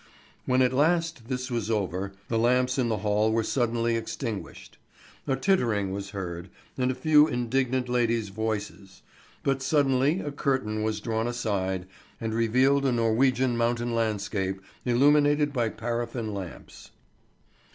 When at last this was over the lamps in the hall were suddenly extinguished. A tittering was heard, and a few indignant ladies' voices; but suddenly a curtain was drawn aside, and revealed a Norwegian mountain landscape illuminated by paraffin lamps.